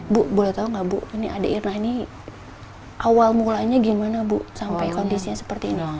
bu boleh tahu nggak bu ini adik irna ini awal mulanya gimana bu sampai kondisinya seperti ini